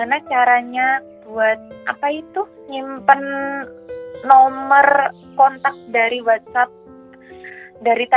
ntar aja ya ini aku lagi ribet banget